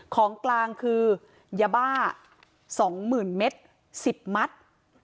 ของกลางคือยาบ้า๒๐๐๐เมตร๑๐มัตต์